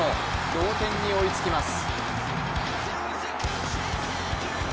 同点に追いつきます。